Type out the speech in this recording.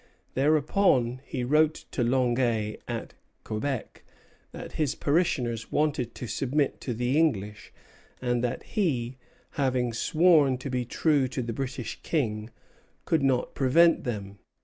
Thereupon he wrote to Longueuil at Quebec that his parishioners wanted to submit to the English, and that he, having sworn to be true to the British King, could not prevent them.